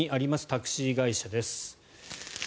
タクシー会社です。